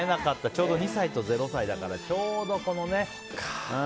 ちょうど２歳と０歳だからちょうど、このね。